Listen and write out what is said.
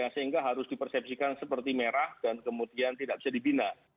sehingga harus dipersepsikan seperti merah dan kemudian tidak bisa dibina